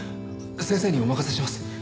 先生にお任せします。